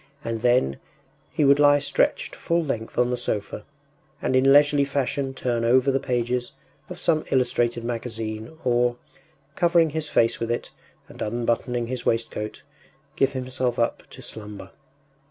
And then, he would lie stretched full length on the sofa, and in leisurely fashion turn over the pages of some illustrated magazine, or, covering his face with it and unbuttoning his waistcoat, give himself up to slumber.